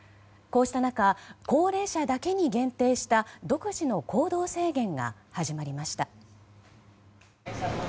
こうした中高齢者だけに限定した独自の行動制限が始まりました。